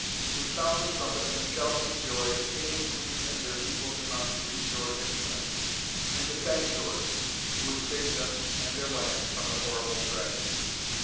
With sounds of trumpets and shouts of joy the king and queen and their people came out to greet George and Una, and to thank George, who had saved them and their land from the horrible dragon.